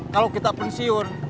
kalau kita pensiun